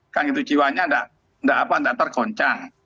kan itu jiwanya tidak tergoncang